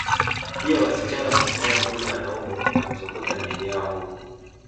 Pia wasichana husimama mbele ya wanaume na kusokota miili yao huku